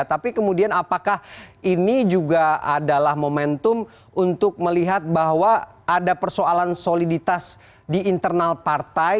tapi kemudian apakah ini juga adalah momentum untuk melihat bahwa ada persoalan soliditas di internal partai